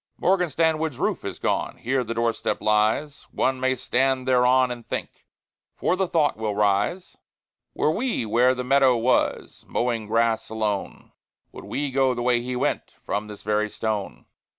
Morgan Stanwood's roof is gone; Here the door step lies; One may stand thereon and think, For the thought will rise, Were we where the meadow was, Mowing grass alone, Would we go the way he went, From this very stone?